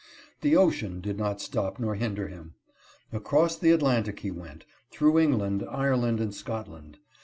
The ocean did not stop nor hinder him. Across the Atlantic he went, through England, Ireland, and Scotland.